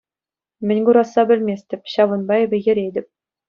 Мӗн курасса пӗлместӗп, ҫавӑнпа эпӗ йӗретӗп.